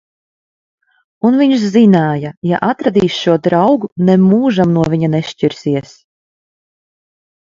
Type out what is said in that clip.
Un viņš zināja: ja atradīs šo draugu, nemūžam no viņa nešķirsies.